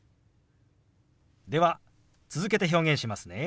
では続けて表現しますね。